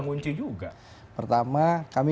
ngunci juga pertama kami